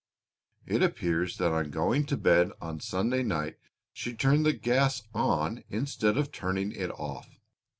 "It appears that on going to bed on Sunday night she turned the gas on instead of turning it off.